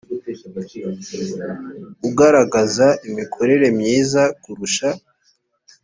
ugaragaza imikorere myiza kurusha